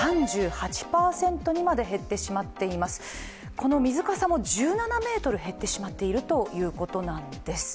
この水かさも１７ｍ減ってしまっているということなんです。